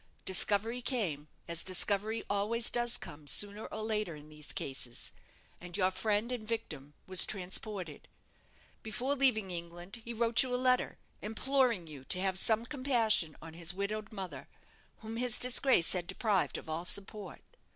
Discovery came, as discovery always does come, sooner or later, in these cases, and your friend and victim was transported. Before leaving England he wrote you a letter, imploring you to have some compassion on his widowed mother, whom his disgrace had deprived of all support.